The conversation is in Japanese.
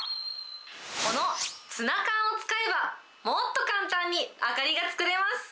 このツナ缶を使えば、もっと簡単に明かりが作れます。